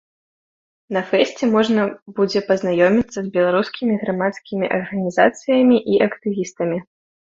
На фэсце можна будзе пазнаёміцца з беларускімі грамадскімі арганізацыямі і актывістамі.